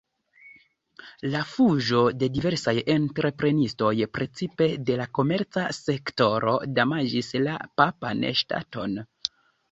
La fuĝo de diversaj entreprenistoj, precipe de la komerca sektoro, damaĝis la papan ŝtaton.